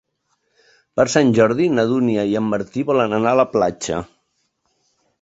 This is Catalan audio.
Per Sant Jordi na Dúnia i en Martí volen anar a la platja.